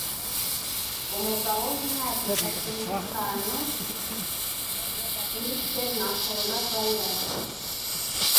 umugabo w'imyaka itatu nitanu wishwe na coronavirus